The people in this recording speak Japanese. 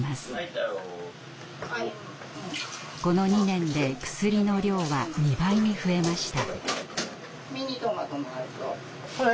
この２年で薬の量は２倍に増えました。